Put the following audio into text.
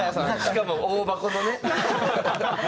しかも大箱のね。